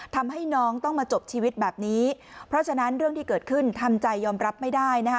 ทำให้น้องต้องมาจบชีวิตแบบนี้เพราะฉะนั้นเรื่องที่เกิดขึ้นทำใจยอมรับไม่ได้นะคะ